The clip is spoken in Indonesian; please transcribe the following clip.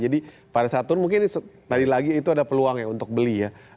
jadi pada saat turun mungkin tadi lagi itu ada peluang ya untuk beli ya